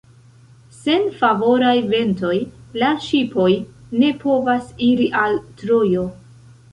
Sen favoraj ventoj, la ŝipoj ne povas iri al Trojo.